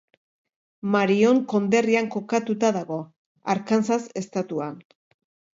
Marion konderrian kokatuta dago, Arkansas estatuan.